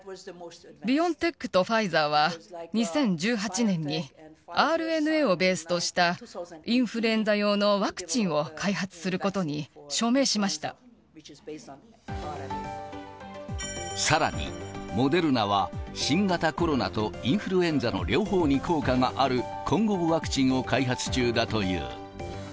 ビオンテックとファイザーは、２０１８年に、ＲＮＡをベースとした、インフルエンザ用のワクチンを開発するこさらに、モデルナは、新型コロナとインフルエンザの両方に効果がある混合ワクチンを開発中だという。